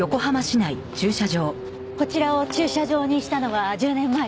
こちらを駐車場にしたのは１０年前だそうですね。